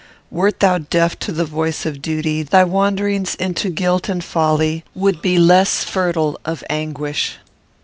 Wert thou deaf to the voice of duty, thy wanderings into guilt and folly would be less fertile of anguish.